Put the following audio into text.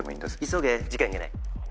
急げ時間がない。